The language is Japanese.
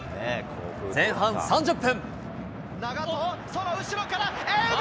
前半３０分。